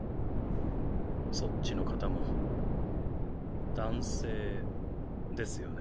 そっちの方も男性ですよね？